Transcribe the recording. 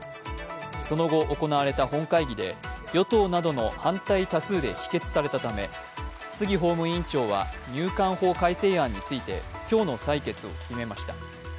その後、行われた本会議で与党などの反対多数で否決されたため杉法務委員長は入管法改正案について今日の採決を決めました。